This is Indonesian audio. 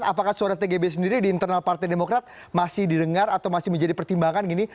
apakah suara tgb sendiri di internal partai demokrat masih didengar atau masih menjadi pertimbangan gini